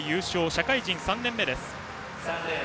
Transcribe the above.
社会人３年目です。